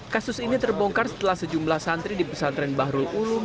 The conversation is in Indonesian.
kasus ini terbongkar setelah sejumlah santri di pesantren bahrul ulum